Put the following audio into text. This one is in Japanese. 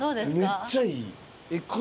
めっちゃいい。